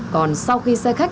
còn sau khi xe khách